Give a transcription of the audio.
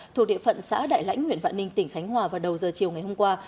thuộc địa phận xã đại lãnh huyện vạn ninh tỉnh khánh hòa vào đầu giờ chiều ngày hôm qua